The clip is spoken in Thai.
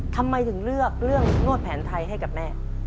ทำไมถึงเลือกเรื่องนวดแผนไทยให้กับแม่